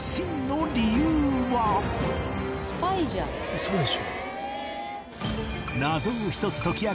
ウソでしょ？